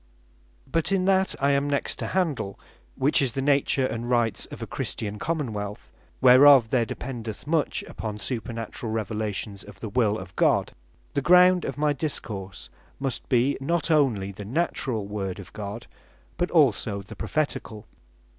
But in that I am next to handle, which is the Nature and Rights of a CHRISTIAN COMMON WEALTH, whereof there dependeth much upon Supernaturall Revelations of the Will of God; the ground of my Discourse must be, not only the Naturall Word of God, but also the Propheticall.